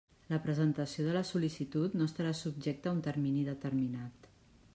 La presentació de la sol·licitud no estarà subjecta a un termini determinat.